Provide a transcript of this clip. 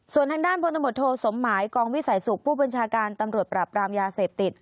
ส่วนทางด้านพทโทสมกองวิสัยสุขผู้บริญญาการตำรวจปราบรามยาเสพติด